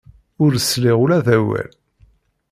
Ur sliɣ ula d awal.